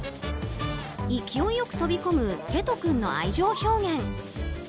勢いよく飛び込むテト君の愛情表現。